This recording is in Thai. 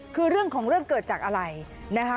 คือเรื่องของเรื่องเกิดจากอะไรนะคะ